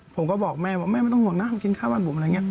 ผมก็บอกแม่ว่าแม่ไม่ต้องห่วงนะกินข้าวบ้านผม